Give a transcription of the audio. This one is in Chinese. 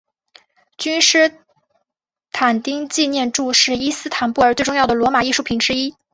君士坦丁纪念柱是伊斯坦布尔最重要的罗马艺术品之一。